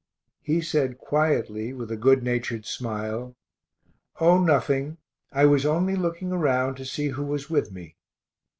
He said quietly, with a good natured smile, "O nothing; I was only looking around to see who was with me."